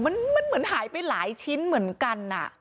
มันเหมือนหายไปหลายชิ้นเหมือนกัน